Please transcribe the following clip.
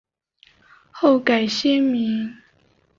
后改现名。